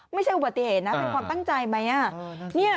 ไม่ใช่อุบัติเหตุนะเป็นความตั้งใจไหม